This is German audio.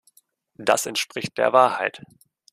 Das entspricht der Wahrheit.